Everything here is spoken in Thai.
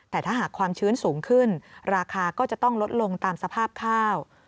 แต่ถ้าหากความชื้นสูงขึ้นราคาก็จะต้องลดลงตามสภาพข้าว